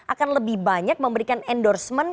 akan lebih banyak memberikan endorsement